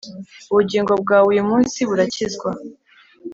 ubugingo bwawe uyu munsi burakizwa